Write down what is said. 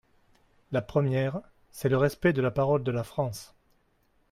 La première, c’est le respect de la parole de la France.